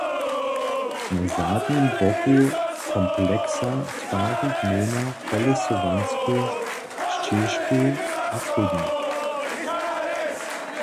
Na zadnim boku kompleksa twari gmejna kolesowansku šćežku a chódnik.